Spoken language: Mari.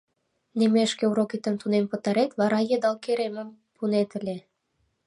Немешке урокетым тунем пытарет, вара йыдал керемым пунет ыле.